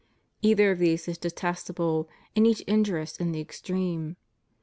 Each of these is detestable, and each injuri ous in the extreme.